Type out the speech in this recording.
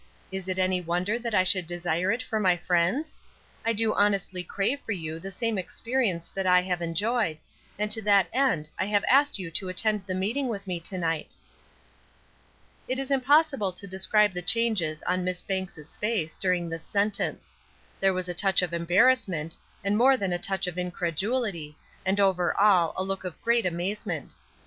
Is it any wonder that I should desire it for my friends? I do honestly crave for you the same experience that I have enjoyed, and to that end I have asked you to attend the meeting with me to night." It is impossible to describe the changes on Miss Banks' face during this sentence. There was a touch of embarrassment, and more than a touch of incredulity, and over all a look of great amazement.